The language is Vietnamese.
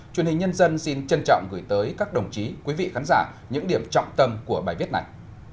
truyền hình nhân dân xin trân trọng gửi tới các đồng chí quý vị khán giả những điểm trọng tâm của bài viết này